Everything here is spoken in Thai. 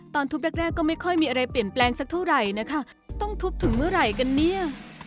ตอนทุบแรกแรกก็ไม่ค่อยมีอะไรเปลี่ยนแปลงสักเท่าไหร่นะคะต้องทุบถึงเมื่อไหร่กันเนี่ย